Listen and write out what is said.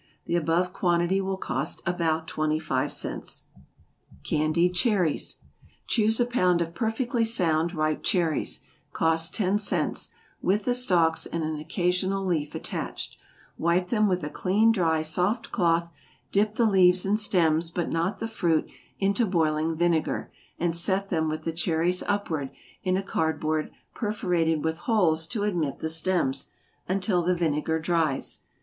The above quantity will cost about twenty five cents. =Candied Cherries.= Choose a pound of perfectly sound, ripe cherries, (cost ten cents,) with the stalks and an occasional leaf attached, wipe them with a clean, dry, soft cloth; dip the leaves and stems, but not the fruit, into boiling vinegar, and set them with the cherries upward, in a card board perforated with holes to admit the stems, until the vinegar dries.